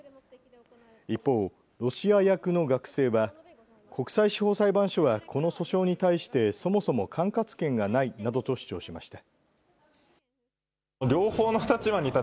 一方、ロシア役の学生は国際司法裁判所はこの訴訟に対してそもそも管轄権がないなどと主張しました。